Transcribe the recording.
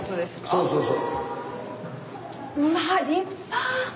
そうそうそう。